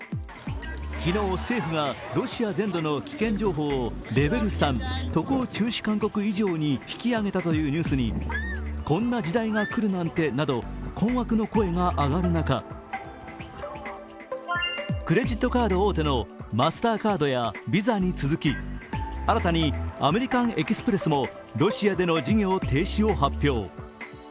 昨日、政府がロシア全土の危険情報をレベル３渡航中止勧告以上に引き上げたというニュースにこんな時代が来るなんてなど困惑の声が上がる中、クレジットカード大手のマスターカードやＶＩＳＡに続き、新たにアメリカン・エキスプレスもロシアでの事業停止を発表。